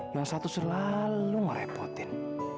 yang satu selalu ngerepotin